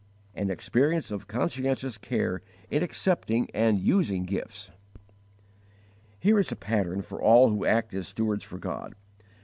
An experience of conscientious care in accepting and using gifts. Here is a pattern for all who act as stewards for God.